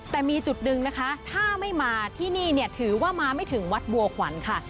แต่มีจุดหนึ่งนะคะถ้าไม่มาที่นี่เนี่ยถือว่ามาไม่ถึงวัดบัวขวัญค่ะ